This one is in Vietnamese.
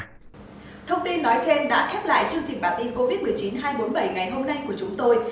thông tin nói trên đã khép lại chương trình bản tin covid một mươi chín hai trăm bốn mươi bảy ngày hôm nay của chúng tôi